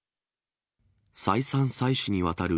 再三再四にわたる